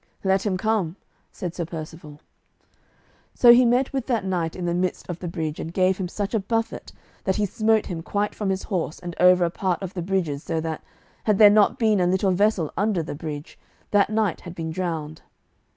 "Let him come," said Sir Percivale. So he met with that knight in the midst of the bridge, and gave him such a buffet that he smote him quite from his horse and over a part of the bridge so that, had there not been a little vessel under the bridge, that knight had been drowned.